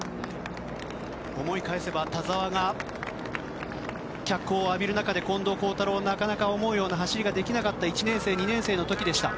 思い返せば田澤が脚光を浴びる中で近藤幸太郎はなかなか思うような走りができなかった１年生、２年生でした。